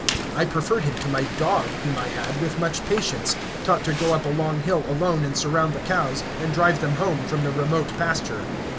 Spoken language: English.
I preferred him to my dog, whom I had, with much patience, taught to go up a long hill alone and surround the cows, and drive them home from the remote pasture.